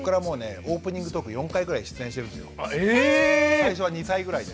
最初は２歳ぐらいで。